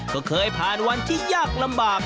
ก็เคยผ่านวันที่ยากลำบาก